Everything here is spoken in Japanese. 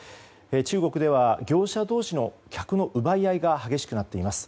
中国では業者同士の、客の奪い合いが激しくなっています。